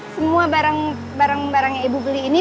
semua barang barang yang ibu beli ini